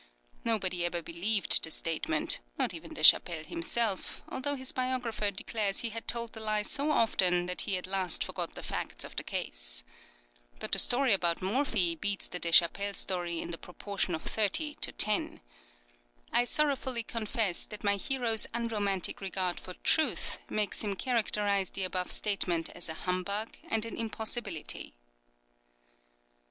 Nobody ever believed the statement, not even Deschapelles himself, although his biographer declares he had told the lie so often that he at last forgot the facts of the case. But the story about Morphy beats the Deschapelles story in the proportion of thirty to ten. I sorrowfully confess that my hero's unromantic regard for truth makes him characterize the above statement as a humbug and an impossibility.